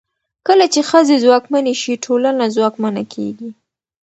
کله چې ښځې ځواکمنې شي، ټولنه ځواکمنه کېږي.